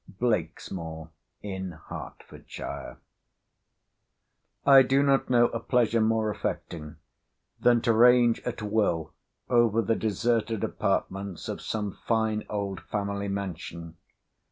BLAKESMOOR IN H—— SHIRE I do not know a pleasure more affecting than to range at will over the deserted apartments of some fine old family mansion.